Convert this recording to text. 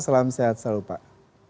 salam sehat selalu pak